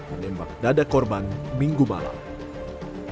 menembak dada korban minggu malam